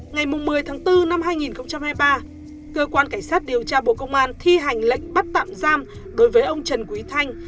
ngày một mươi tháng bốn năm hai nghìn hai mươi ba cơ quan cảnh sát điều tra bộ công an thi hành lệnh bắt tạm giam đối với ông trần quý thanh